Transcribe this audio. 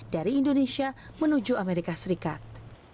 dari indonesia menuju amerika serikat